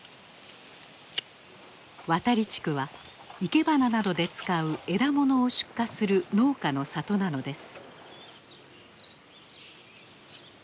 渡利地区は生け花などで使う「枝もの」を出荷する農家の里なのです。